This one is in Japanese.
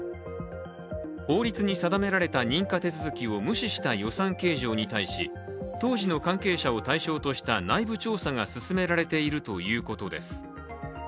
法律に定められた認可手続きを無視した予算計上に対し当時の関係者を対象とした内部調査が進められているということです。